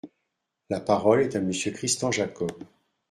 La parole est à Monsieur Christian Jacob.